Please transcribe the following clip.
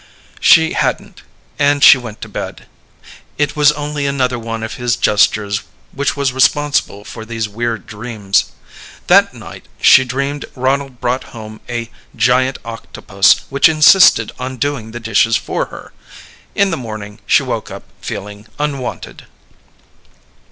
She hadn't, and she went to bed. It was only another one of his gestures which was responsible for these weird dreams. That night she dreamed Ronald brought home a giant octopus which insisted on doing the dishes for her. In the morning she woke up feeling unwanted.